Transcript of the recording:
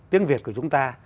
tiếng việt của chúng ta